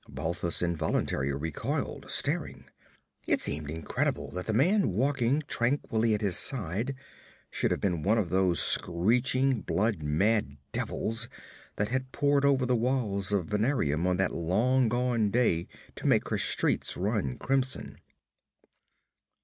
Balthus involuntarily recoiled, staring. It seemed incredible that the man walking tranquilly at his side should have been one of those screeching, blood mad devils that had poured over the walls of Venarium on that long gone day to make her streets run crimson.